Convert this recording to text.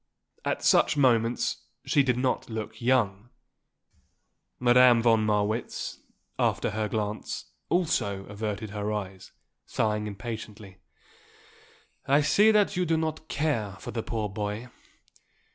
At such moments she did not look young. Madame von Marwitz, after her glance, also averted her eyes, sighing impatiently. "I see that you do not care for the poor boy.